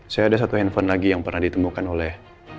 saya ada satu handphone lagi yang pernah ditemukan oleh